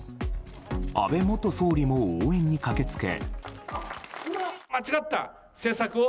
安倍元総理も応援に駆け付け。